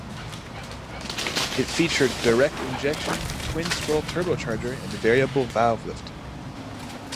It featured direct injection, twin-scroll turbocharger and variable valve lift.